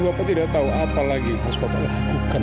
bapak tidak tahu apa lagi yang harus bapak lakukan